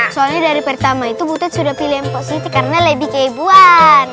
soalnya dari pertama itu mpo siti sudah pilih mpo siti karena lebih keibuan